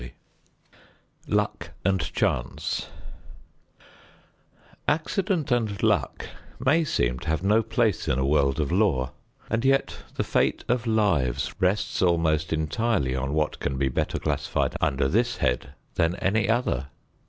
XXXIV LUCK AND CHANCE Accident and luck may seem to have no place in a world of law, and yet the fate of lives rests almost entirely on what can be better classified under this head than any other.